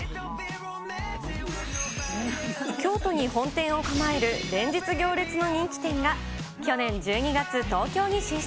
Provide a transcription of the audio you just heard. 京都に本店を構える連日行列の人気店が、去年１２月、東京に進出。